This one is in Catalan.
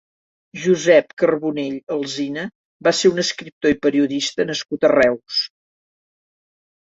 Josep Carbonell Alsina va ser un esciptor i periodista nascut a Reus.